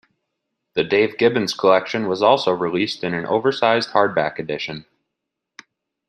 The Dave Gibbons Collection was also released in an oversized hardback edition.